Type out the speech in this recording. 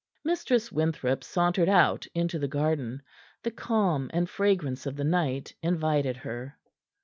Mistress Winthrop sauntered out into the garden. The calm and fragrance of the night invited her.